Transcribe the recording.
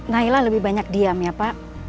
naila lebih banyak diam ya pak